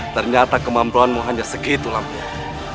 ternyata kemampuanmu hanya segitu lampunya